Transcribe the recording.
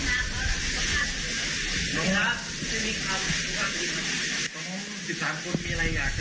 มีโดยมี